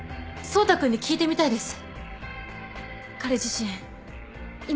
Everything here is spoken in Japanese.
走太君の声が聞いてみたいです。